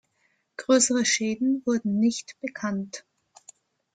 Grössere Schäden wurden nicht bekannt.